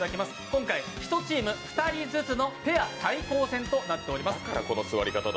今回１チーム２人ずつのペア対抗戦となっております。